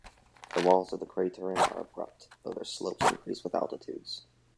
The walls of the crater rim are abrupt, although their slopes increase with altitudes.